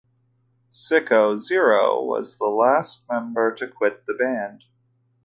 Sicko Zero was the last member to quit the band.